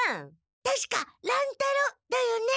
たしか乱太郎だよね？